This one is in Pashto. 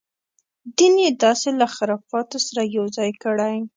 دین یې داسې له خرافاتو سره یو ځای کړی.